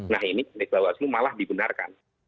nah ini bawaslu malah dibenarkan